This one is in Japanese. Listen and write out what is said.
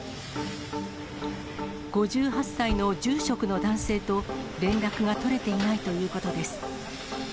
５８歳の住職の男性と連絡が取れていないということです。